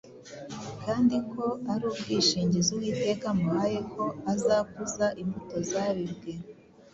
kandi ko ari n’ubwishingizi Uwiteka amuhaye ko azakuza imbuto zabibwe.